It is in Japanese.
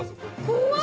怖い！